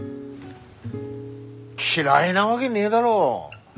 嫌いなわげねえだろ。